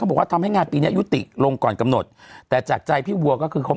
บอกว่าทำให้งานปีนี้ยุติลงก่อนกำหนดแต่จากใจพี่วัวก็คือเขา